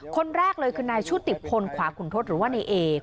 คนแรกเลยคือนายชุติพลขวาขุนทศหรือว่านายเอ